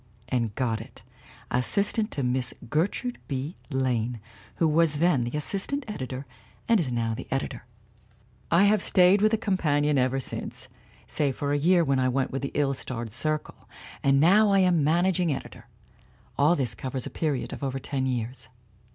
And got it, assistant to Miss Gertrude B. Lane, who was then the assistant editor, and is now the editor. "I have stayed with the Companion ever since, save for a year when I went with the ill starred Circle, and now I am managing editor. All this covers a period of over ten years.